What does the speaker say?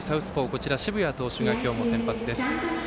こちら澁谷投手が今日も先発です。